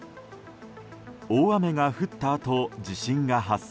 大雨が降ったあと、地震が発生。